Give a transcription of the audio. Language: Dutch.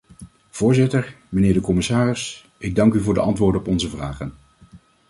Voorzitter, mijnheer de commissaris, ik dank u voor de antwoorden op onze vragen.